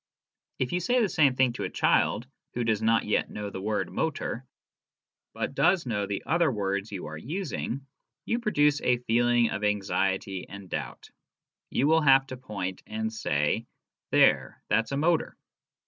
If you say the same thing to a child who does not yet know the word "motor," but does know the other words you are using, you produce a feeling of anxiety and doubt: you will have to point and say " there, that's a motor."